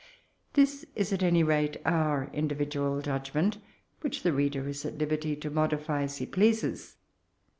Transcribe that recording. This is at any rate our individual judgment, which the reader is at liberty to modify as he pleases.